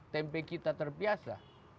tempe kita terbiasa